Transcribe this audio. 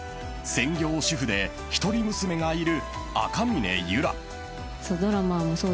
［専業主婦で一人娘がいる］